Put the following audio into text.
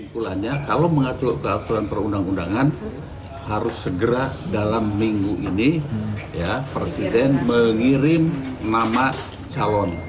sebetulnya kalau mengacu ke aturan perundang undangan harus segera dalam minggu ini presiden mengirim nama calon